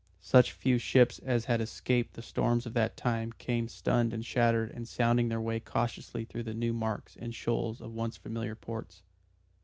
Such few ships as had escaped the storms of that time came stunned and shattered and sounding their way cautiously through the new marks and shoals of once familiar ports.